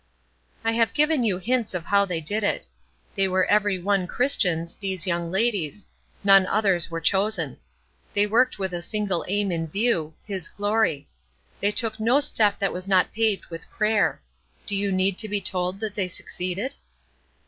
I have given you hints of how they did it. They were every one Christians, these young ladies; none others were chosen. They worked with a single aim in view His glory. They took no step that was not paved with prayer. Do you need to be told that they succeeded?